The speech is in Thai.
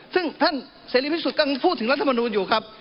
ซึ่งท่านเสรีพิสุทธิ์ก็พูดถึงรัฐมนูลอยู่ครับ